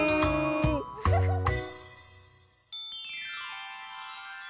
フフフフ。